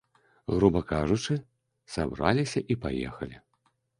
Груба кажучы, сабраліся і паехалі.